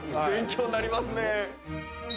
勉強になりますね。